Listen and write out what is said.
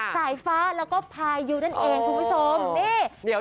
สายฟ้าแล้วก็พายุนั่นเองคุณผู้ชม